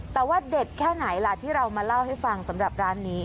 แต่ว่าเด็ดแค่ไหนล่ะที่เรามาเล่าให้ฟังสำหรับร้านนี้